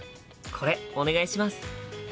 これお願いします！